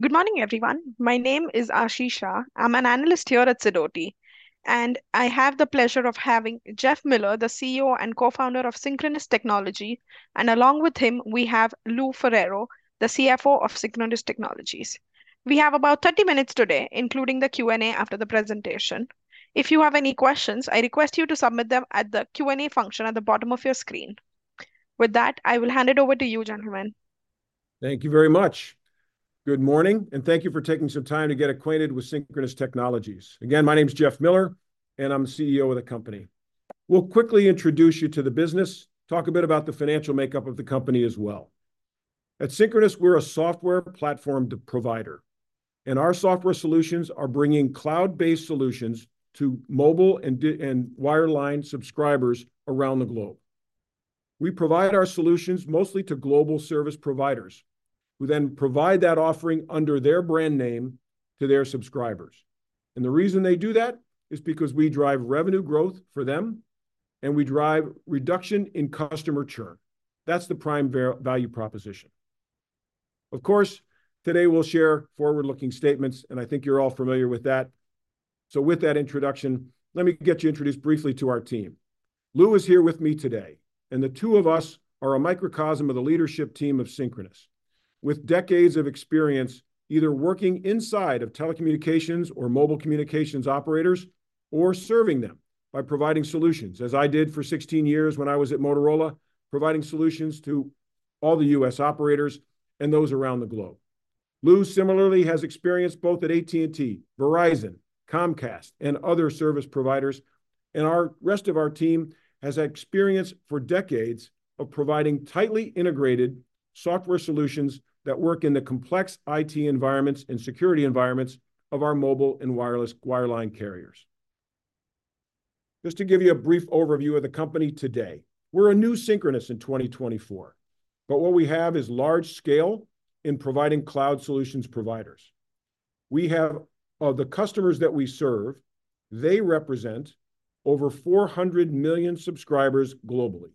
Good morning, everyone. My name is Aashi Shah, I'm an analyst here at Sidoti, and I have the pleasure of having Jeff Miller, the CEO and Co-Founder of Synchronoss Technologies, and along with him we have Lou Ferraro, the CFO of Synchronoss Technologies. We have about 30 minutes today, including the Q&A after the presentation. If you have any questions, I request you to submit them at the Q&A function at the bottom of your screen. With that, I will hand it over to you, gentlemen. Thank you very much. Good morning, and thank you for taking some time to get acquainted with Synchronoss Technologies. Again, my name is Jeff Miller, and I'm the CEO of the company. We'll quickly introduce you to the business, talk a bit about the financial makeup of the company as well. At Synchronoss, we're a software platform provider, and our software solutions are bringing cloud-based solutions to mobile and wireline subscribers around the globe. We provide our solutions mostly to global service providers. We then provide that offering under their brand name to their subscribers. And the reason they do that is because we drive revenue growth for them, and we drive reduction in customer churn. That's the prime value proposition. Of course, today we'll share forward-looking statements, and I think you're all familiar with that. So with that introduction, let me get you introduced briefly to our team. Lou is here with me today, and the two of us are a microcosm of the leadership team of Synchronoss, with decades of experience either working inside of telecommunications or mobile communications operators or serving them by providing solutions, as I did for 16 years when I was at Motorola, providing solutions to all the U.S. operators and those around the globe. Lou similarly has experience both at AT&T, Verizon, Comcast, and other service providers, and the rest of our team has experience for decades of providing tightly integrated software solutions that work in the complex IT environments and security environments of our mobile and wireline carriers. Just to give you a brief overview of the company today, we're a new Synchronoss in 2024, but what we have is large scale in providing cloud solutions providers. We have of the customers that we serve, they represent over 400 million subscribers globally.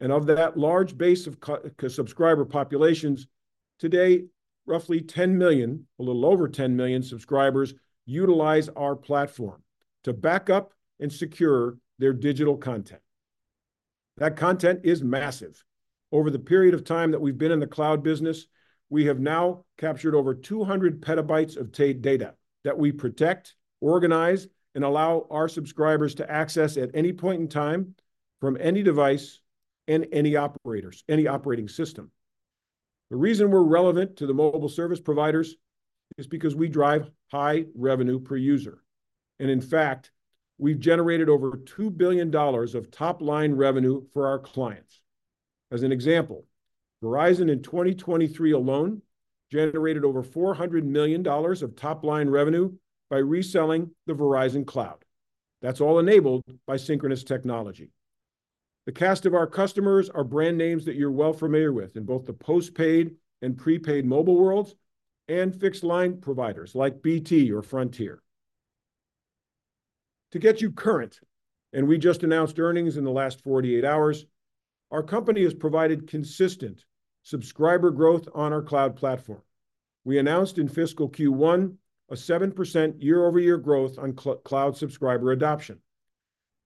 And of that large base of subscriber populations, today roughly 10 million, a little over 10 million subscribers utilize our platform to back up and secure their digital content. That content is massive. Over the period of time that we've been in the Cloud business, we have now captured over 200 PB of data that we protect, organize, and allow our subscribers to access at any point in time from any device and any operators, any operating system. The reason we're relevant to the mobile service providers is because we drive high revenue per user. And in fact, we've generated over $2 billion of top-line revenue for our clients. As an example, Verizon in 2023 alone generated over $400 million of top-line revenue by reselling the Verizon Cloud. That's all enabled by Synchronoss Technologies. The cast of our customers are brand names that you're well familiar with in both the postpaid and prepaid mobile worlds and fixed-line providers like BT or Frontier. To get you current, and we just announced earnings in the last 48 hours, our company has provided consistent subscriber growth on our cloud platform. We announced in fiscal Q1 a 7% year-over-year growth on cloud subscriber adoption.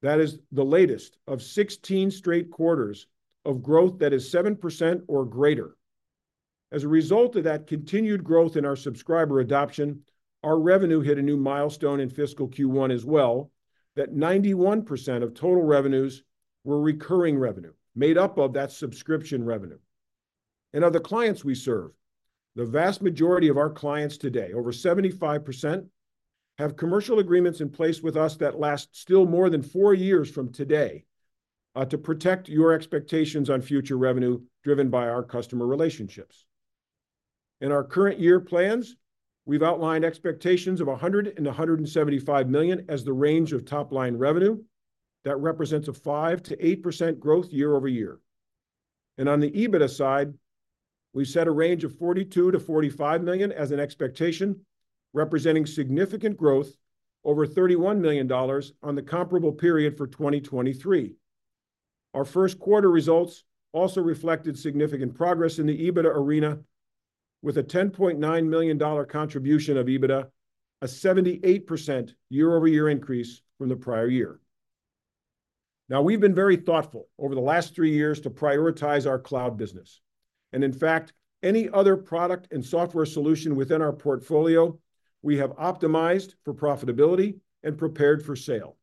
That is the latest of 16 straight quarters of growth that is 7% or greater. As a result of that continued growth in our subscriber adoption, our revenue hit a new milestone in fiscal Q1 as well, that 91% of total revenues were recurring revenue made up of that subscription revenue. Of the clients we serve, the vast majority of our clients today, over 75%, have commercial agreements in place with us that last still more than four years from today to protect your expectations on future revenue driven by our customer relationships. In our current year plans, we've outlined expectations of $100 million-$175 million as the range of top-line revenue that represents a 5%-8% growth year-over-year. On the EBITDA side, we've set a range of $42 million-$45 million as an expectation, representing significant growth over $31 million on the comparable period for 2023. Our first quarter results also reflected significant progress in the EBITDA arena, with a $10.9 million contribution of EBITDA, a 78% year-over-year increase from the prior year. Now, we've been very thoughtful over the last three years to prioritize our Cloud business. And in fact, any other product and software solution within our portfolio, we have optimized for profitability and prepared for sale.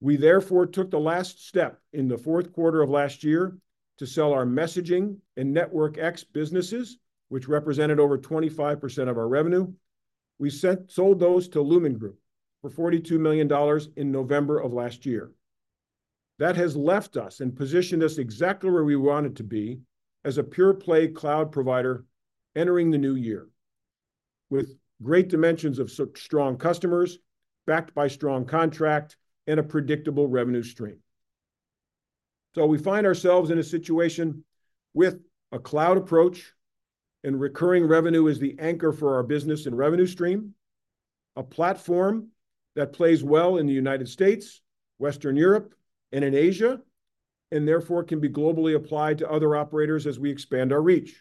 We therefore took the last step in the fourth quarter of last year to sell our Messaging and NetworkX businesses, which represented over 25% of our revenue. We sold those to Lumine Group for $42 million in November of last year. That has left us and positioned us exactly where we wanted to be as a pure-play cloud provider entering the new year, with great dimensions of strong customers backed by strong contract and a predictable revenue stream. So we find ourselves in a situation with a cloud approach and recurring revenue as the anchor for our business and revenue stream, a platform that plays well in the United States, Western Europe, and in Asia, and therefore can be globally applied to other operators as we expand our reach.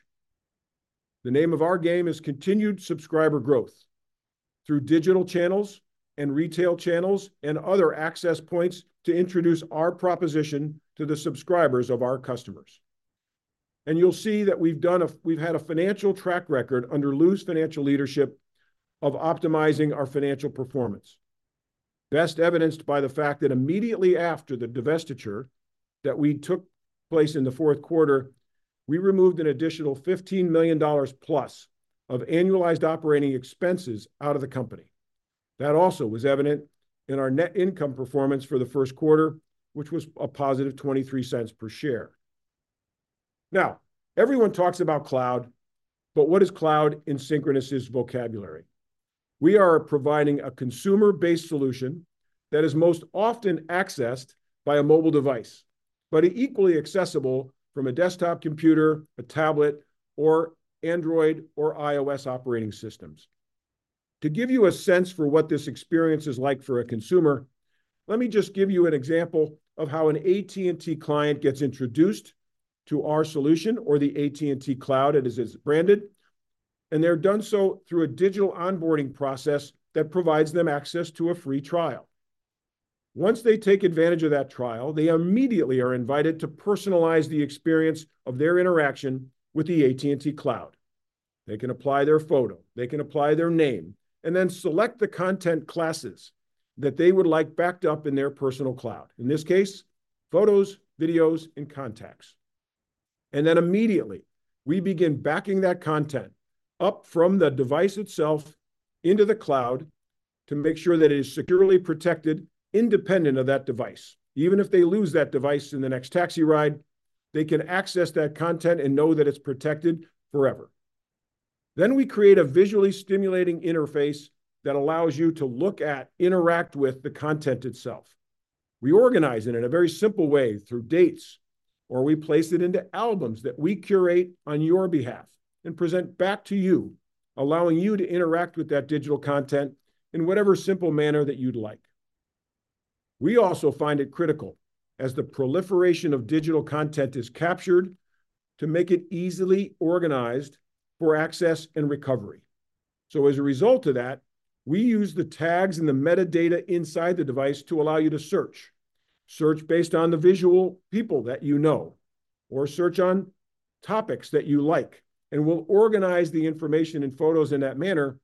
The name of our game is continued subscriber growth through digital channels and retail channels and other access points to introduce our proposition to the subscribers of our customers. And you'll see that we've had a financial track record under Lou's financial leadership of optimizing our financial performance, best evidenced by the fact that immediately after the divestiture that took place in the fourth quarter, we removed an additional $15 million plus of annualized operating expenses out of the company. That also was evident in our net income performance for the first quarter, which was a positive $0.23 per share. Now, everyone talks about cloud, but what is cloud in Synchronoss's vocabulary? We are providing a consumer-based solution that is most often accessed by a mobile device, but equally accessible from a desktop computer, a tablet, or Android or iOS operating systems. To give you a sense for what this experience is like for a consumer, let me just give you an example of how an AT&T client gets introduced to our solution or the AT&T Cloud it is branded, and they're done so through a digital onboarding process that provides them access to a free trial. Once they take advantage of that trial, they immediately are invited to personalize the experience of their interaction with the AT&T Cloud. They can apply their photo, they can apply their name, and then select the content classes that they would like backed up in their personal cloud, in this case, photos, videos, and contacts. Then immediately we begin backing that content up from the device itself into the cloud to make sure that it is securely protected independent of that device. Even if they lose that device in the next taxi ride, they can access that content and know that it's protected forever. Then we create a visually stimulating interface that allows you to look at, interact with the content itself. We organize it in a very simple way through dates, or we place it into albums that we curate on your behalf and present back to you, allowing you to interact with that digital content in whatever simple manner that you'd like. We also find it critical as the proliferation of digital content is captured to make it easily organized for access and recovery. So as a result of that, we use the tags and the metadata inside the device to allow you to search, search based on the visual people that you know, or search on topics that you like, and we'll organize the information and photos in that manner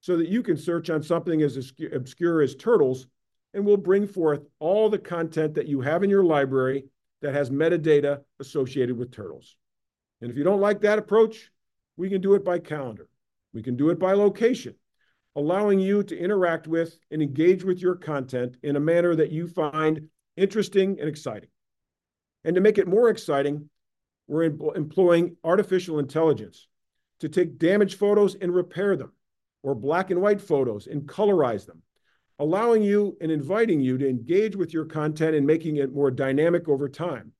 so that you can search on something as obscure as turtles, and we'll bring forth all the content that you have in your library that has metadata associated with turtles. And if you don't like that approach, we can do it by calendar. We can do it by location, allowing you to interact with and engage with your content in a manner that you find interesting and exciting. To make it more exciting, we're employing artificial intelligence to take damaged photos and repair them, or black and white photos and colorize them, allowing you and inviting you to engage with your content and making it more dynamic over time.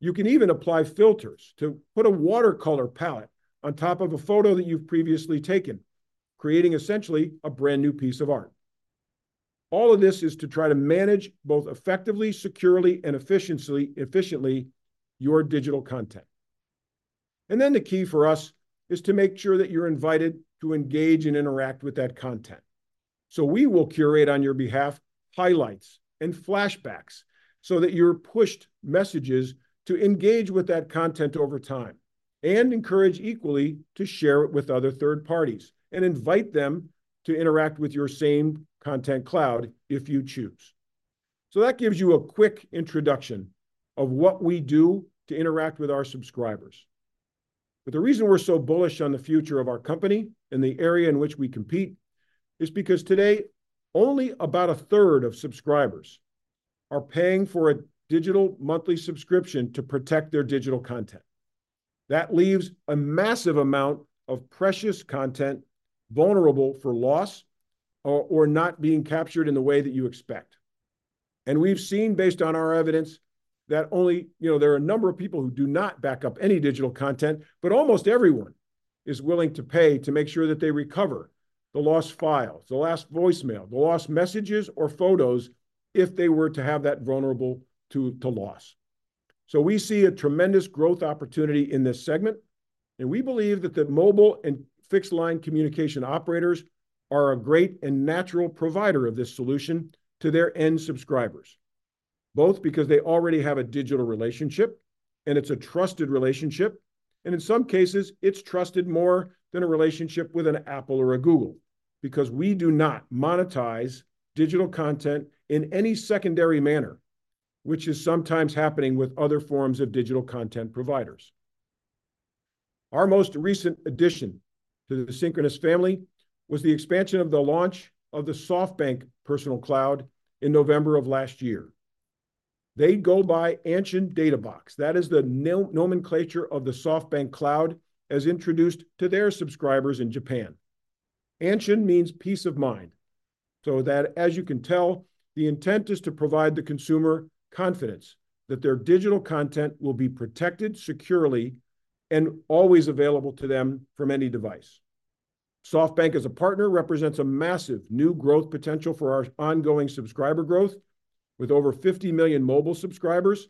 You can even apply filters to put a watercolor palette on top of a photo that you've previously taken, creating essentially a brand new piece of art. All of this is to try to manage both effectively, securely, and efficiently your digital content. And then the key for us is to make sure that you're invited to engage and interact with that content. So we will curate on your behalf highlights and flashbacks so that you're pushed messages to engage with that content over time and encourage equally to share it with other third parties and invite them to interact with your same content cloud if you choose. So that gives you a quick introduction of what we do to interact with our subscribers. But the reason we're so bullish on the future of our company and the area in which we compete is because today only about a third of subscribers are paying for a digital monthly subscription to protect their digital content. That leaves a massive amount of precious content vulnerable for loss or not being captured in the way that you expect. And we've seen based on our evidence that only, you know, there are a number of people who do not back up any digital content, but almost everyone is willing to pay to make sure that they recover the lost files, the last voicemail, the lost messages or photos if they were to have that vulnerable to loss. So we see a tremendous growth opportunity in this segment, and we believe that the mobile and fixed-line communication operators are a great and natural provider of this solution to their end subscribers, both because they already have a digital relationship and it's a trusted relationship, and in some cases it's trusted more than a relationship with an Apple or a Google, because we do not monetize digital content in any secondary manner, which is sometimes happening with other forms of digital content providers. Our most recent addition to the Synchronoss family was the expansion of the launch of the SoftBank Personal Cloud in November of last year. They go by Anshin Data Box. That is the nomenclature of the SoftBank Cloud as introduced to their subscribers in Japan. Anshin means peace of mind. So that, as you can tell, the intent is to provide the consumer confidence that their digital content will be protected securely and always available to them from any device. SoftBank as a partner represents a massive new growth potential for our ongoing subscriber growth with over 50 million mobile subscribers.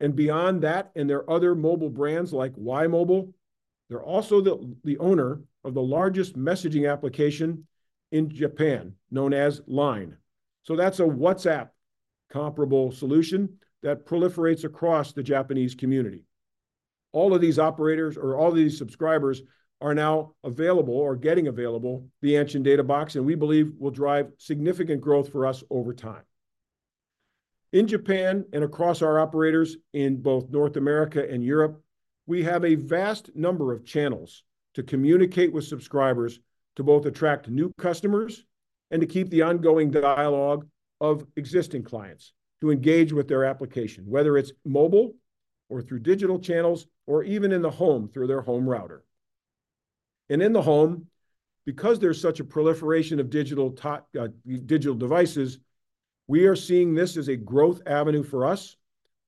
Beyond that, there are other mobile brands like Y!mobile. They're also the owner of the largest messaging application in Japan known as LINE. So that's a WhatsApp comparable solution that proliferates across the Japanese community. All of these operators or all of these subscribers are now available or getting available the Anshin Data Box, and we believe will drive significant growth for us over time. In Japan and across our operators in both North America and Europe, we have a vast number of channels to communicate with subscribers to both attract new customers and to keep the ongoing dialogue of existing clients to engage with their application, whether it's mobile or through digital channels or even in the home through their home router. In the home, because there's such a proliferation of digital devices, we are seeing this as a growth avenue for us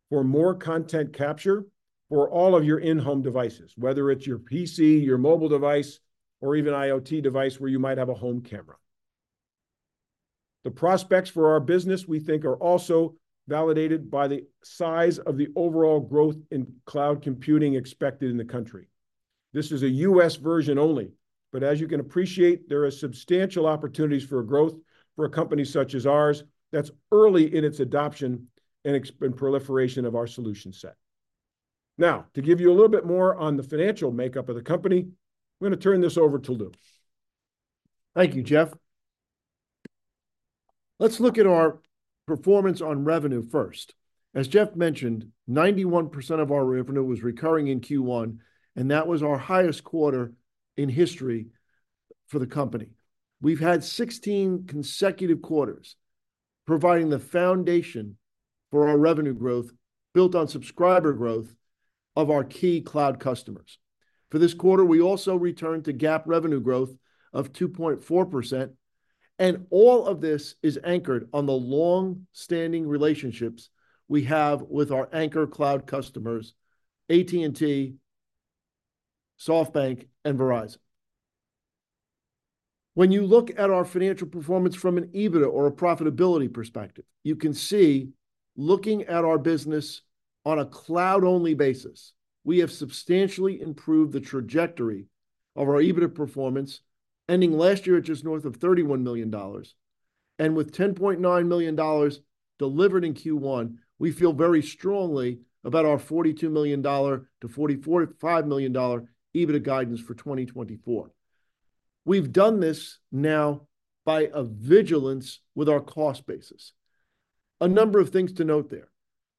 for more content capture for all of your in-home devices, whether it's your PC, your mobile device, or even IoT device where you might have a home camera. The prospects for our business, we think, are also validated by the size of the overall growth in cloud computing expected in the country. This is a U.S. version only, but as you can appreciate, there are substantial opportunities for growth for a company such as ours that's early in its adoption and proliferation of our solution set. Now, to give you a little bit more on the financial makeup of the company, we're going to turn this over to Lou. Thank you, Jeff. Let's look at our performance on revenue first. As Jeff mentioned, 91% of our revenue was recurring in Q1, and that was our highest quarter in history for the company. We've had 16 consecutive quarters providing the foundation for our revenue growth built on subscriber growth of our key cloud customers. For this quarter, we also returned to GAAP revenue growth of 2.4%. And all of this is anchored on the long-standing relationships we have with our anchor cloud customers, AT&T, SoftBank, and Verizon. When you look at our financial performance from an EBITDA or a profitability perspective, you can see looking at our business on a cloud-only basis, we have substantially improved the trajectory of our EBITDA performance, ending last year at just north of $31 million. And with $10.9 million delivered in Q1, we feel very strongly about our $42 million-$45 million EBITDA guidance for 2024. We've done this now by a vigilance with our cost basis. A number of things to note there.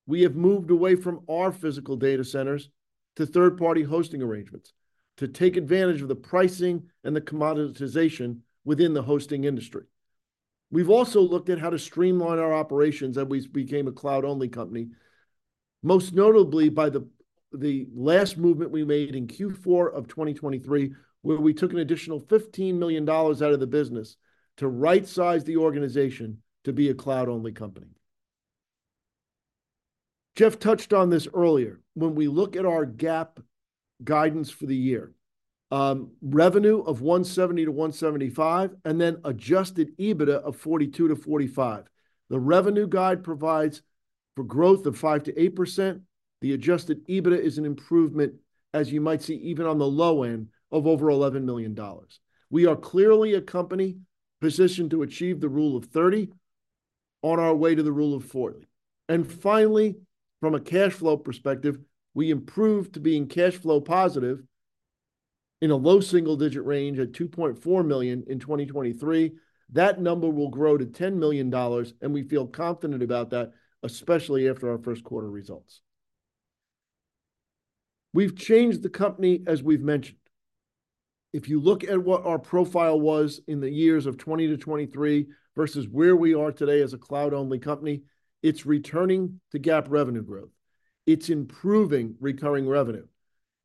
We have moved away from our physical data centers to third-party hosting arrangements to take advantage of the pricing and the commoditization within the hosting industry. We've also looked at how to streamline our operations as we became a cloud-only company, most notably by the last movement we made in Q4 of 2023, where we took an additional $15 million out of the business to right-size the organization to be a cloud-only company. Jeff touched on this earlier. When we look at our GAAP guidance for the year, revenue of $170 million-$175 million and then adjusted EBITDA of $42 million-$45 million, the revenue guide provides for growth of 5%-8%. The adjusted EBITDA is an improvement, as you might see, even on the low end of over $11 million. We are clearly a company positioned to achieve the rule of 30 on our way to the rule of 40. Finally, from a cash flow perspective, we improved to being cash flow positive in a low single-digit range at $2.4 million in 2023. That number will grow to $10 million, and we feel confident about that, especially after our first quarter results. We've changed the company, as we've mentioned. If you look at what our profile was in the years of 2020 to 2023 versus where we are today as a cloud-only company, it's returning to GAAP revenue growth. It's improving recurring revenue.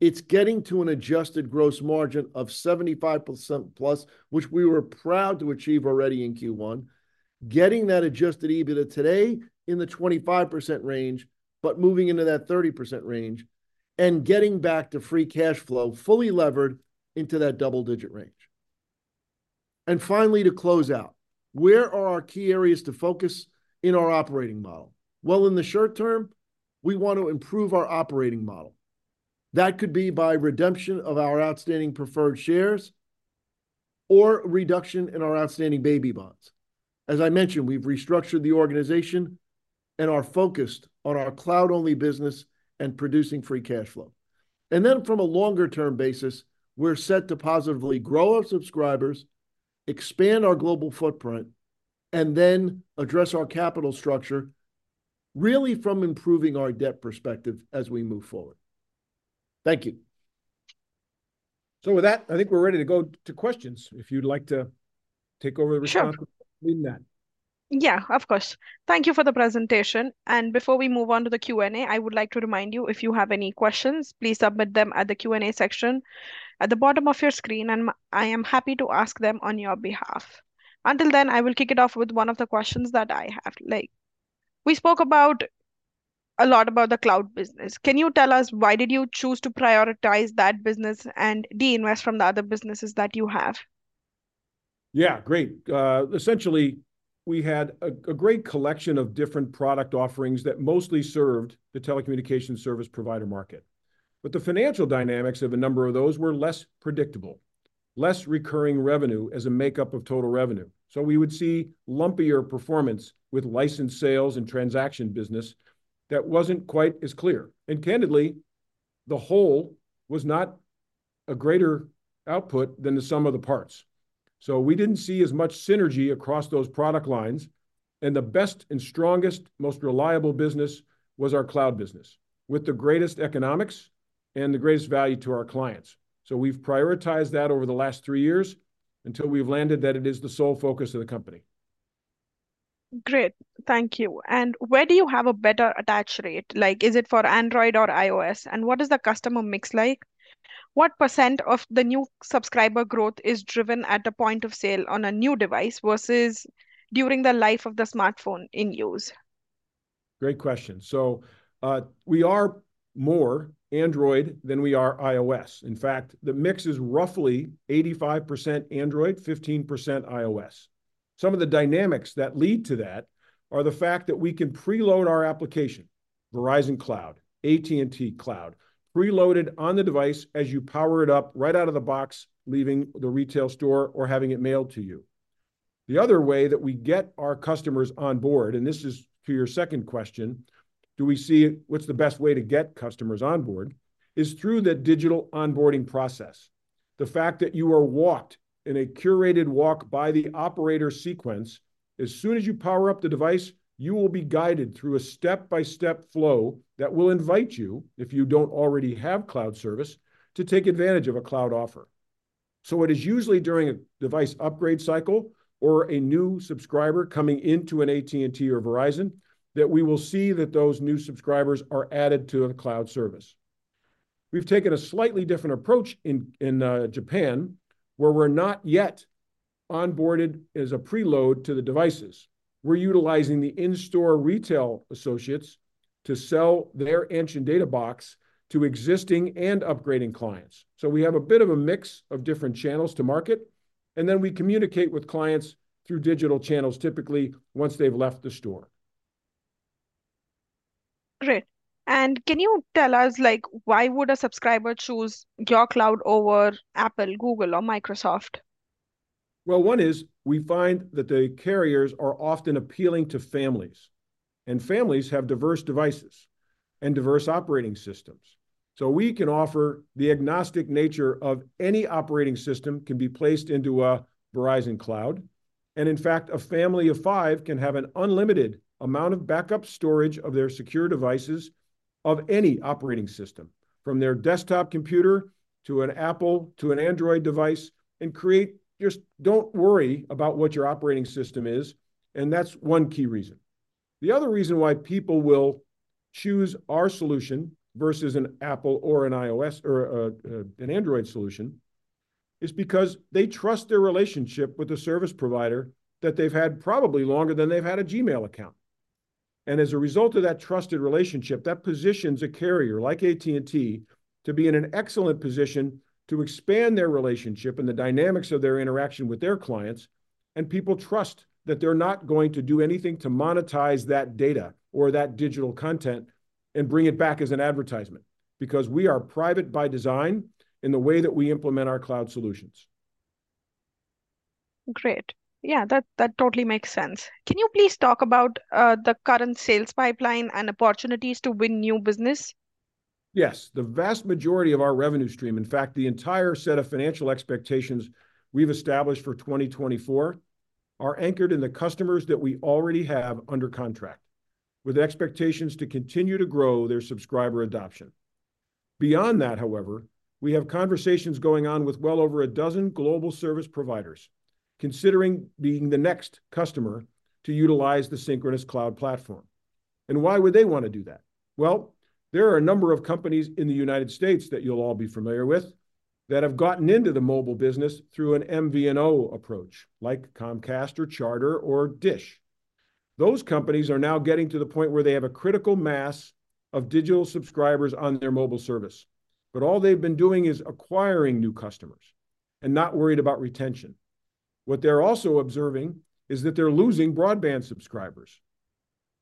It's getting to an adjusted gross margin of 75%+, which we were proud to achieve already in Q1, getting that adjusted EBITDA today in the 25% range, but moving into that 30% range and getting back to free cash flow fully levered into that double-digit range. And finally to close out, where are our key areas to focus in our operating model? Well, in the short term, we want to improve our operating model. That could be by redemption of our outstanding preferred shares or reduction in our outstanding baby bonds. As I mentioned, we've restructured the organization and are focused on our cloud-only business and producing free cash flow. Then from a longer-term basis, we're set to positively grow our subscribers, expand our global footprint, and then address our capital structure, really from improving our debt perspective as we move forward. Thank you. With that, I think we're ready to go to questions. If you'd like to take over the responsibility in that. Yeah, of course. Thank you for the presentation. And before we move on to the Q&A, I would like to remind you, if you have any questions, please submit them at the Q&A section at the bottom of your screen, and I am happy to ask them on your behalf. Until then, I will kick it off with one of the questions that I have. Like, we spoke a lot about the Cloud business. Can you tell us why did you choose to prioritize that business and divest from the other businesses that you have? Yeah, great. Essentially, we had a great collection of different product offerings that mostly served the telecommunications service provider market. But the financial dynamics of a number of those were less predictable, less recurring revenue as a makeup of total revenue. So we would see lumpier performance with license sales and transaction business that wasn't quite as clear. And candidly, the whole was not a greater output than the sum of the parts. So we didn't see as much synergy across those product lines. And the best and strongest, most reliable business was our cloud business with the greatest economics and the greatest value to our clients. So we've prioritized that over the last three years until we've landed that it is the sole focus of the company. Great. Thank you. And where do you have a better attach rate? Like, is it for Android or iOS? And what is the customer mix like? What % of the new subscriber growth is driven at the point of sale on a new device versus during the life of the smartphone in use? Great question. So we are more Android than we are iOS. In fact, the mix is roughly 85% Android, 15% iOS. Some of the dynamics that lead to that are the fact that we can preload our application, Verizon Cloud, AT&T Cloud, preloaded on the device as you power it up right out of the box, leaving the retail store or having it mailed to you. The other way that we get our customers on board, and this is to your second question, do we see what's the best way to get customers on board is through that digital onboarding process. The fact that you are walked in a curated walk by the operator sequence, as soon as you power up the device, you will be guided through a step-by-step flow that will invite you, if you don't already have cloud service, to take advantage of a cloud offer. It is usually during a device upgrade cycle or a new subscriber coming into an AT&T or Verizon that we will see that those new subscribers are added to the cloud service. We've taken a slightly different approach in Japan, where we're not yet onboarded as a preload to the devices. We're utilizing the in-store retail associates to sell their Anshin Data Box to existing and upgrading clients. So we have a bit of a mix of different channels to market, and then we communicate with clients through digital channels, typically once they've left the store. Great. And can you tell us, like, why would a subscriber choose your cloud over Apple, Google, or Microsoft? Well, one is we find that the carriers are often appealing to families, and families have diverse devices and diverse operating systems. So we can offer the agnostic nature of any operating system can be placed into a Verizon Cloud. And in fact, a family of five can have an unlimited amount of backup storage of their secure devices of any operating system, from their desktop computer to an Apple to an Android device, and create just don't worry about what your operating system is. And that's one key reason. The other reason why people will choose our solution versus an Apple or an iOS or an Android solution is because they trust their relationship with the service provider that they've had probably longer than they've had a Gmail account. As a result of that trusted relationship, that positions a carrier like AT&T to be in an excellent position to expand their relationship and the dynamics of their interaction with their clients. People trust that they're not going to do anything to monetize that data or that digital content and bring it back as an advertisement, because we are private by design in the way that we implement our cloud solutions. Great. Yeah, that totally makes sense. Can you please talk about the current sales pipeline and opportunities to win new business? Yes. The vast majority of our revenue stream, in fact, the entire set of financial expectations we've established for 2024, are anchored in the customers that we already have under contract with expectations to continue to grow their subscriber adoption. Beyond that, however, we have conversations going on with well over a dozen global service providers considering being the next customer to utilize the Synchronoss cloud platform. And why would they want to do that? Well, there are a number of companies in the United States that you'll all be familiar with that have gotten into the mobile business through an MVNO approach like Comcast or Charter or DISH. Those companies are now getting to the point where they have a critical mass of digital subscribers on their mobile service. But all they've been doing is acquiring new customers and not worried about retention. What they're also observing is that they're losing broadband subscribers.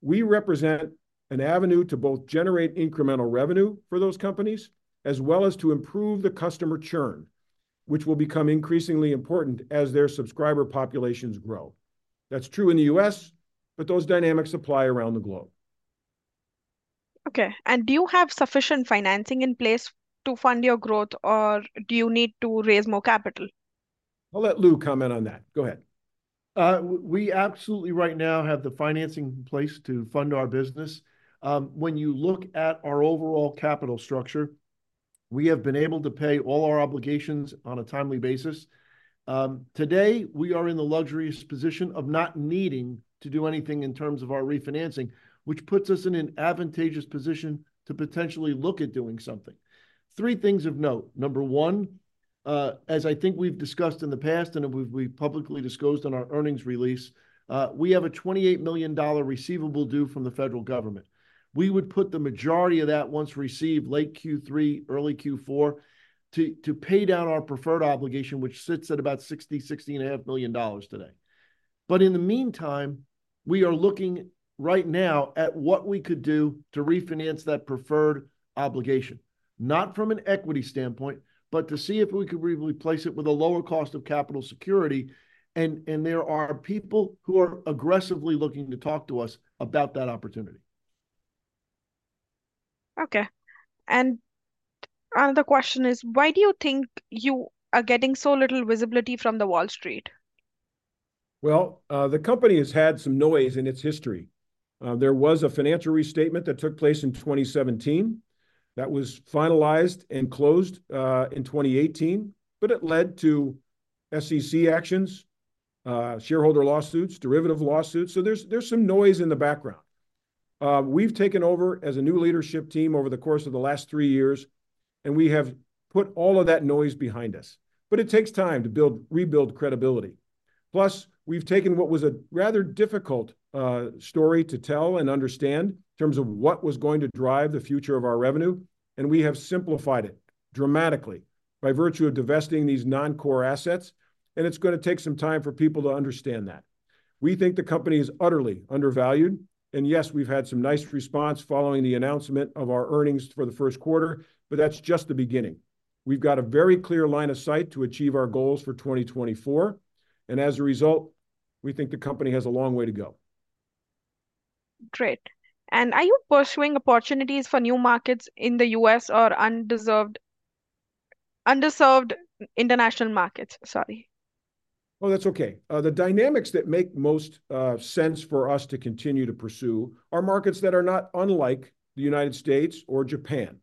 We represent an avenue to both generate incremental revenue for those companies, as well as to improve the customer churn, which will become increasingly important as their subscriber populations grow. That's true in the U.S., but those dynamics apply around the globe. Okay. Do you have sufficient financing in place to fund your growth, or do you need to raise more capital? I'll let Lou comment on that. Go ahead. We absolutely right now have the financing in place to fund our business. When you look at our overall capital structure, we have been able to pay all our obligations on a timely basis. Today, we are in the luxurious position of not needing to do anything in terms of our refinancing, which puts us in an advantageous position to potentially look at doing something. Three things of note. Number one, as I think we've discussed in the past and we've publicly disclosed in our earnings release, we have a $28 million receivable due from the federal government. We would put the majority of that once received late Q3, early Q4 to pay down our preferred obligation, which sits at about $60-$60.5 million today. But in the meantime, we are looking right now at what we could do to refinance that preferred obligation, not from an equity standpoint, but to see if we could replace it with a lower cost of capital security. And there are people who are aggressively looking to talk to us about that opportunity. Okay. And another question is, why do you think you are getting so little visibility from Wall Street? Well, the company has had some noise in its history. There was a financial restatement that took place in 2017 that was finalized and closed in 2018, but it led to SEC actions, shareholder lawsuits, derivative lawsuits. So there's some noise in the background. We've taken over as a new leadership team over the course of the last three years, and we have put all of that noise behind us. But it takes time to rebuild credibility. Plus, we've taken what was a rather difficult story to tell and understand in terms of what was going to drive the future of our revenue. And we have simplified it dramatically by virtue of divesting these non-core assets. And it's going to take some time for people to understand that. We think the company is utterly undervalued. Yes, we've had some nice response following the announcement of our earnings for the first quarter, but that's just the beginning. We've got a very clear line of sight to achieve our goals for 2024. And as a result, we think the company has a long way to go. Great. And are you pursuing opportunities for new markets in the U.S. or underserved international markets? Sorry. Oh, that's okay. The dynamics that make most sense for us to continue to pursue are markets that are not unlike the United States or Japan.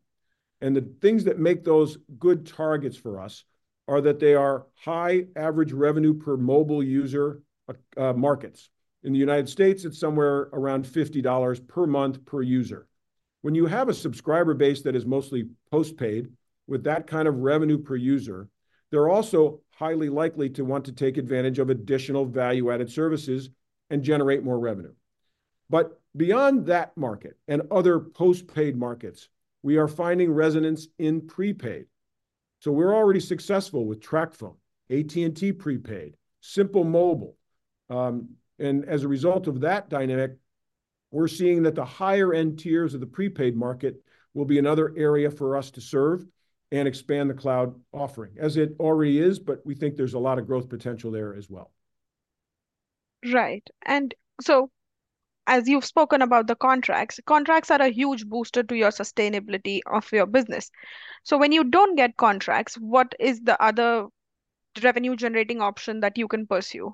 And the things that make those good targets for us are that they are high average revenue per mobile user markets. In the United States, it's somewhere around $50 per month per user. When you have a subscriber base that is mostly postpaid with that kind of revenue per user, they're also highly likely to want to take advantage of additional value-added services and generate more revenue. But beyond that market and other postpaid markets, we are finding resonance in prepaid. So we're already successful with TracFone, AT&T Prepaid, Simple Mobile. As a result of that dynamic, we're seeing that the higher-end tiers of the prepaid market will be another area for us to serve and expand the cloud offering as it already is. We think there's a lot of growth potential there as well. Right. And so as you've spoken about the contracts, contracts are a huge booster to your sustainability of your business. So when you don't get contracts, what is the other revenue-generating option that you can pursue?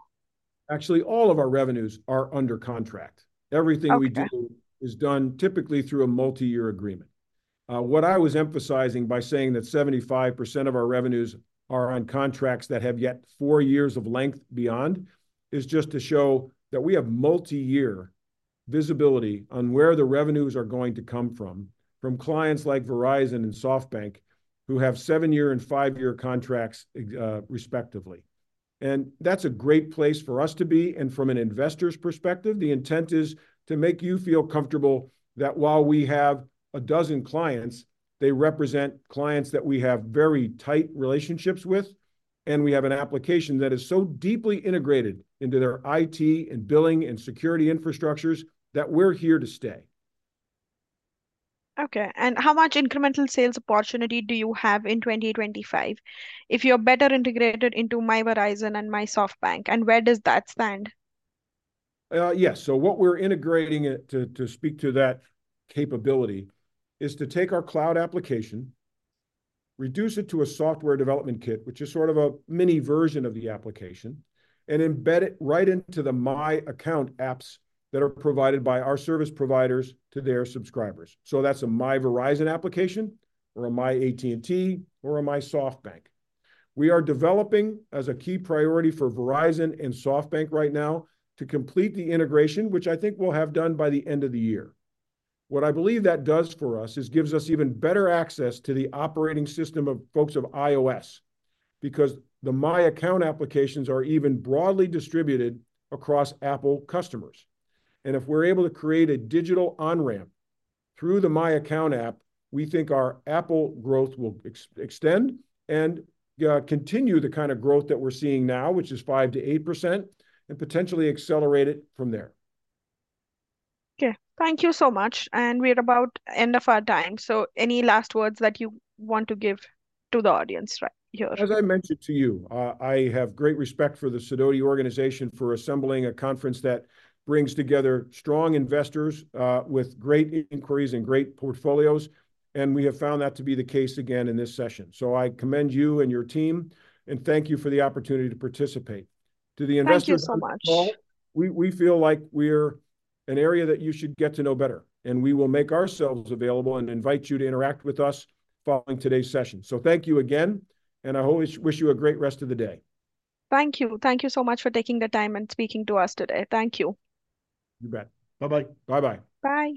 Actually, all of our revenues are under contract. Everything we do is done typically through a multi-year agreement. What I was emphasizing by saying that 75% of our revenues are on contracts that have yet 4 years of length beyond is just to show that we have multi-year visibility on where the revenues are going to come from, from clients like Verizon and SoftBank who have 7-year and 5-year contracts, respectively. That's a great place for us to be. From an investor's perspective, the intent is to make you feel comfortable that while we have a dozen clients, they represent clients that we have very tight relationships with, and we have an application that is so deeply integrated into their IT and billing and security infrastructures that we're here to stay. Okay. And how much incremental sales opportunity do you have in 2025 if you're better integrated into My Verizon and My SoftBank, and where does that stand? Yes. So what we're integrating to speak to that capability is to take our cloud application, reduce it to a software development kit, which is sort of a mini version of the application, and embed it right into the My Account apps that are provided by our service providers to their subscribers. So that's a My Verizon application or a myAT&T or a My SoftBank. We are developing as a key priority for Verizon and SoftBank right now to complete the integration, which I think we'll have done by the end of the year. What I believe that does for us is gives us even better access to the operating system of folks of iOS because the My Account applications are even broadly distributed across Apple customers. If we're able to create a digital on-ramp through the my Account app, we think our Apple growth will extend and continue the kind of growth that we're seeing now, which is 5%-8%, and potentially accelerate it from there. Okay. Thank you so much. We're at the end of our time. So any last words that you want to give to the audience right here? As I mentioned to you, I have great respect for the Sidoti Organization for assembling a conference that brings together strong investors with great inquiries and great portfolios. We have found that to be the case again in this session. I commend you and your team, and thank you for the opportunity to participate. To the investors. Thank you so much. We feel like we're an area that you should get to know better, and we will make ourselves available and invite you to interact with us following today's session. So thank you again, and I always wish you a great rest of the day. Thank you. Thank you so much for taking the time and speaking to us today. Thank you. You bet. Bye-bye. Bye-bye. Bye.